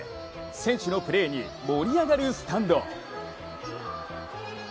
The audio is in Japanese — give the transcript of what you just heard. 選手のプレーに盛り上がるスタンド。